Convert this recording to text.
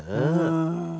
うん。